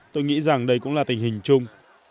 tôi nghĩ rằng đây cũng là tình hình chung